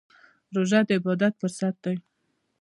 روژه د عبادت فرصت دی.